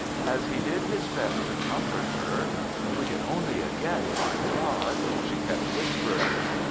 As he did his best to comfort her, "If we could only again find God " she kept whispering.